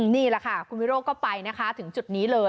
นี่แหละค่ะคุณวิโรธก็ไปนะคะถึงจุดนี้เลย